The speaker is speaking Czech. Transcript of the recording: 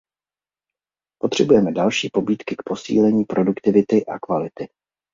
Potřebujeme další pobídky k posílení produktivity a kvality.